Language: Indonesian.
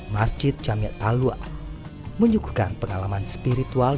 masjid jamiat talwa menyuguhkan pengalaman spiritual